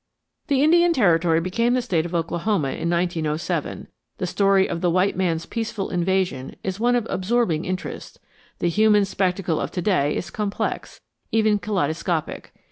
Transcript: The Indian Territory became the State of Oklahoma in 1907; the story of the white man's peaceful invasion is one of absorbing interest; the human spectacle of to day is complex, even kaleidoscopic.